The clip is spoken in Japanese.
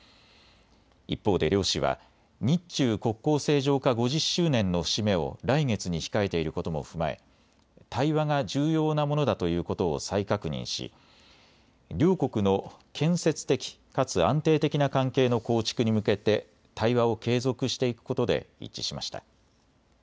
一方で両氏は日中国交正常化５０周年の節目を来月に控えていることも踏まえ対話が重要なものだということを再確認し両国の建設的かつ安定的な関係の構築に向けて対話を継続していくことで一致しました。